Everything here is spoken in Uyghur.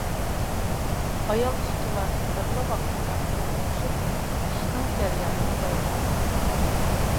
ئايال ئىشچىلار بىرلا ۋاقىتتا چۇلدۇرلىشىپ ئىشنىڭ جەريانىنى بايان قىلدى.